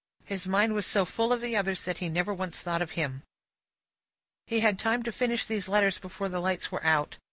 His mind was so full of the others, that he never once thought of him. He had time to finish these letters before the lights were put out.